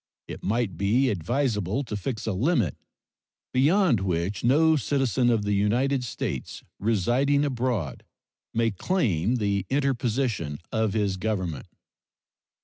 It might be advisable to fix a limit beyond which no citizen of the United States residing abroad may claim the interposition of his Government.